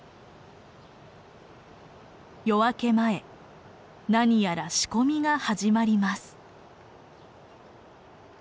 夜明け前何やら仕込みが始まります。